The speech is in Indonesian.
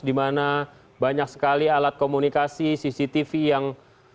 dimana banyak sekali alat komunikasi cctv yang